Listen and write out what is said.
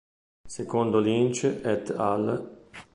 Secondo Lynch "et al.